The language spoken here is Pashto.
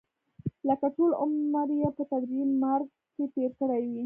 لکه ټول عمر یې په تدریجي مرګ کې تېر کړی وي.